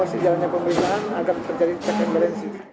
agar terjadi kekembaran sisi